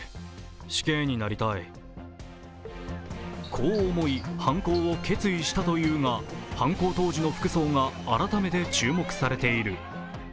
こう思い犯行を決意したというが犯行当時の服装が改めて注目されている。